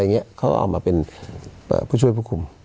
เค้าอ้อมะเป็นผู้ช่วยผู้คุม